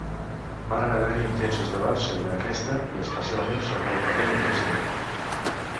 Varen haver-hi intensos debats sobre aquesta, i especialment sobre el paper del president.